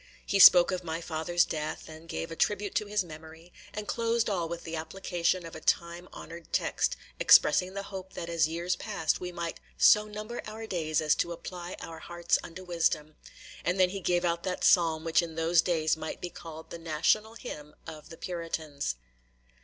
He spoke of my father's death, and gave a tribute to his memory; and closed all with the application of a time honored text, expressing the hope that as years passed by we might "so number our days as to apply our hearts unto wisdom"; and then he gave out that psalm which in those days might be called the national hymn of the Puritans.